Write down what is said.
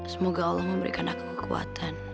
semoga allah memberikan aku kekuatan